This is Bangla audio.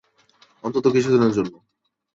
অন্তত কিছুদিনের জন্য।